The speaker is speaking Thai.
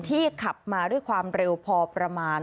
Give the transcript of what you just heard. ขับมาด้วยความเร็วพอประมาณ